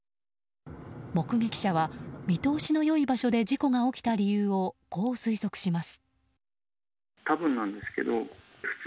目撃者は見通しの良い場所で事故が起きた理由をこう推測します。